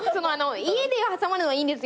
家で挟まるのはいいんですよ。